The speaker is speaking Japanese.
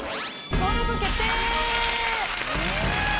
登録決定！